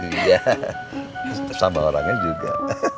iya sama orangnya juga